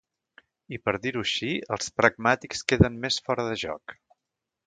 I per dir-ho així, els pragmàtics queden més fora de joc.